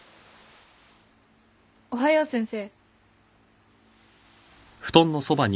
おはよう先生。